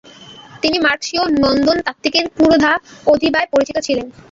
তিনি 'মার্কসীয় নন্দনতাত্ত্বিকদের পুরোধা' অভিধায় পরিচিত ছিলেন।